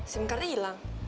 sim cardnya hilang